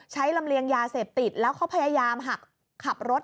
ลำเลียงยาเสพติดแล้วเขาพยายามหักขับรถ